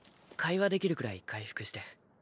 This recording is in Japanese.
会話できるくらい回復して。